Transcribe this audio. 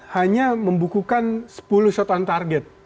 hanya membukukan sepuluh shot on target